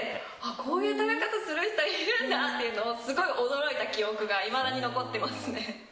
こういう食べ方する人いるんだっていうのをすごい驚いた記憶がいまだに残ってますね。